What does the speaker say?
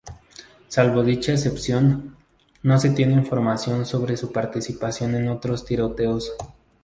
Salvo dicha excepción, no se tiene información sobre su participación en otros tiroteos.